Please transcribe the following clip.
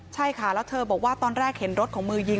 ใช่ค่ะแล้วเธอบอกว่าตอนแรกเห็นรถของมือยิง